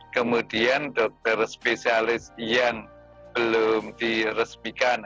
kemudian dokter spesialis yang belum diresmikan